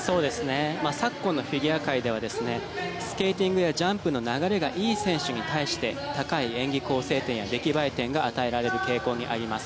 昨今のフィギュア界ではスケーティングやジャンプの流れがいい選手に対して高い演技構成点や出来栄え点が与えられる傾向にあります。